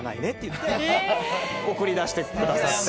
送り出してくださって。